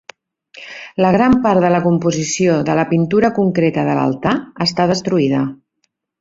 La gran part de la composició de la pintura concreta de l'altar està destruïda.